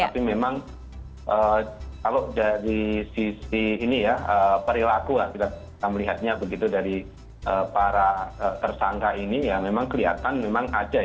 tapi memang kalau dari sisi ini ya perilaku lah kita melihatnya begitu dari para tersangka ini ya memang kelihatan memang ada ya